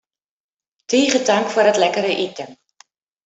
Tige tank foar it lekkere iten.